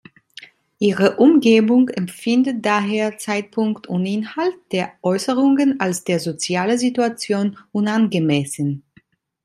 Ihre Umgebung empfindet daher Zeitpunkt und Inhalt der Äußerungen als der sozialen Situation unangemessen.